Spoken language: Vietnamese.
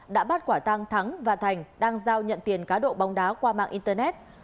đã bắt quả tăng thắng và thành đang giao nhận tiền cá độ bóng đá qua mạng internet